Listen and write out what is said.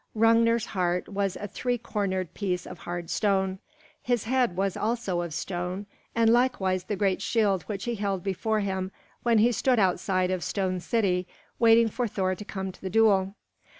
Hrungnir's heart was a three cornered piece of hard stone. His head also was of stone, and likewise the great shield which he held before him when he stood outside of Stone City waiting for Thor to come to the duel.